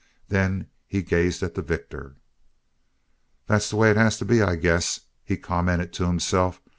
Then he gazed at the victor. "That's the way it has to be, I guess," he commented to himself.